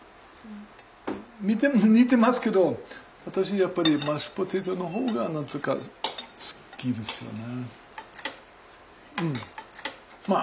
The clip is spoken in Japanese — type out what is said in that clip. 似てますけど私やっぱりマッシュポテトの方が何て言うか好きですよね。